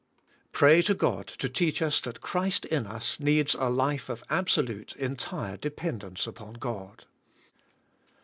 Pray to God to teach us that Christ in us needs a life of absolute, entire dependence upon God.